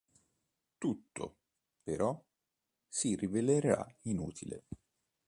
Tutto, però, si rivelerà inutile.